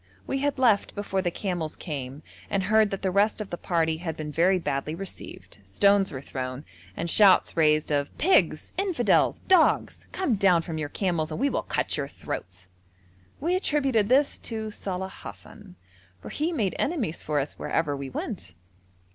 We had left before the camels came and heard that the rest of the party had been very badly received, stones were thrown, and shouts raised of 'Pigs! Infidels! Dogs! Come down from your camels and we will cut your throats.' We attributed this to Saleh Hassan, for he made enemies for us wherever we went.